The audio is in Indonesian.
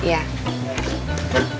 terima kasih pak